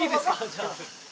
じゃあ。